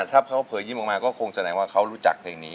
ถ้าเขาเผยยิ้มออกมาก็คงแสดงว่าเขารู้จักเพลงนี้